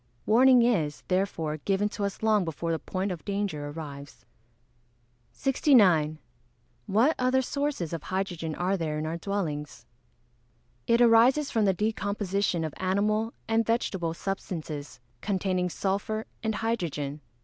Warning is, therefore, given to us long before the point of danger arrives. 69. What other sources of hydrogen are there in our dwellings? It arises from the decomposition of animal and vegetable substances, containing sulphur and hydrogen.